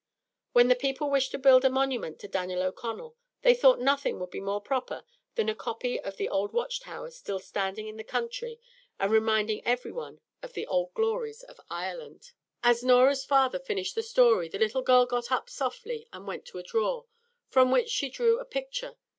When the people wished to build a monument to Daniel O'Connell, they thought nothing would be more proper than a copy of the old watch towers still standing in the country and reminding every one of the old glories of Ireland. As Norah's father finished the story, the little girl got up softly and went to a drawer, from which she drew a picture.